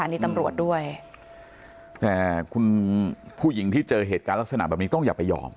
อันนี้ตำรวจด้วยแต่คุณผู้หญิงที่เจอเหตุการณ์ลักษณะแบบนี้ต้องอย่าไปยอม